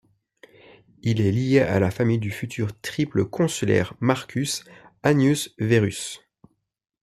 Il est lié à la famille du futur triple consulaire Marcus Annius Verus.